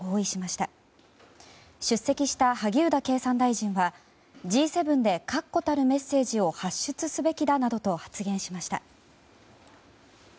出席した萩生田経産大臣はＧ７で確固たるメッセージを発出すべきなどと発言しました。